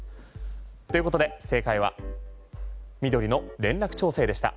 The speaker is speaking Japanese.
ということで正解は緑の連絡調整でした。